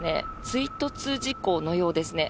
追突事故のようですね。